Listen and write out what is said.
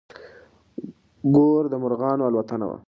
ګور د مرغانو الوتنه وه.